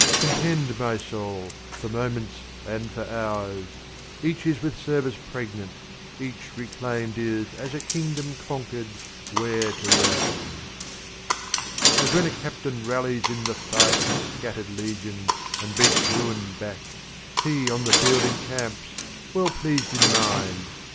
Contend, my soul, for moments and for hours; Each is with service pregnant; each reclaimed Is as a kingdom conquered, where to reign. As when a captain rallies to the fight His scattered legions, and beats ruin back, He, on the field, encamps, well pleased in mind.